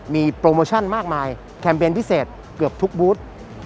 มีโปรโมชั่นมากมายแคมเปญพิเศษเกือบทุกบูธ